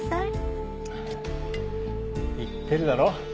言ってるだろ？